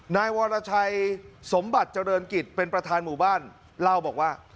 นายวรชัยสมบัติเจริญกิจเป็นประธานหมู่บ้านเล่าบอกว่า